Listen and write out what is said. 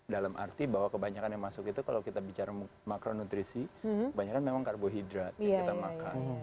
dalam arti bahwa kebanyakan yang masuk itu kalau kita bicara makronutrisi kebanyakan memang karbohidrat yang kita makan